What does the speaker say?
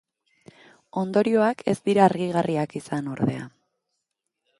Ondorioak ez dira argigarriak izan, ordea.